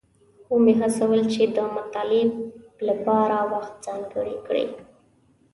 ومې هڅول چې د مطالعې لپاره وخت ځانګړی کړي.